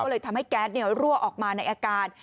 ก็เลยทำให้แก๊สรั่วออกมาในอาการ